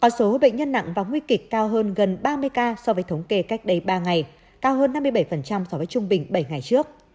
số bệnh nhân nặng và nguy kịch cao hơn gần ba mươi ca so với thống kê cách đây ba ngày cao hơn năm mươi bảy so với trung bình bảy ngày trước